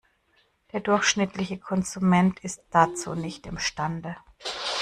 Der durchschnittliche Konsument ist dazu nicht imstande.